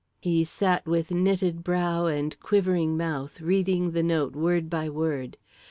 He sat with knitted brow and quivering mouth, reading the note word by word.